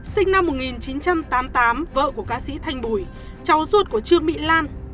sinh năm một nghìn chín trăm tám mươi tám vợ của ca sĩ thanh bùi cháu ruột của trương mỹ lan